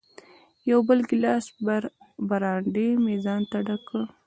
یو بل ګیلاس برانډي مې ځانته ډک کړ.